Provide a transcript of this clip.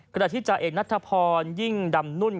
กระดาษที่จาเอกนัทธพรยิ่งดำนุ่น